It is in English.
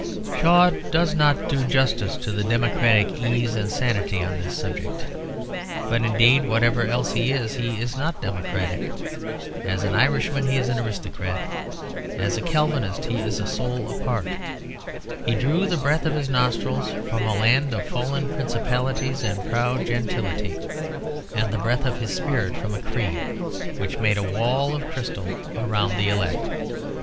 Shaw does not do justice to the democratic ease and sanity on this subject; but indeed, whatever else he is, he is not democratic. As an Irishman he is an aristocrat, as a Calvinist he is a soul apart; he drew the breath of his nostrils from a land of fallen principalities and proud gentility, and the breath of his spirit from a creed which made a wall of crystal around the elect.